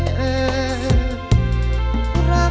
ไม่ใช้